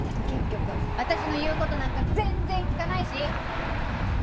結局私の言う事なんか全然聞かないし！